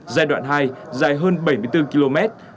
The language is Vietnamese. giai đoạn hai dài hơn bảy mươi bốn km